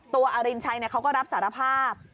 ตัวอรินชัยเนี่ยเขาก็รับสารภาพ